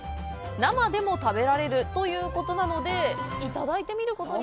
生でも食べられるということなのでいただいてみることに。